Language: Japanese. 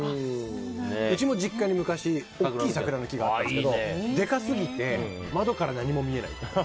うちも実家に昔大きい桜の木があったんですけどでかすぎて、窓から何も見えない。